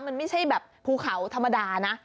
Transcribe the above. มันไม่ใช่แบบภูเขาธรรมดานะ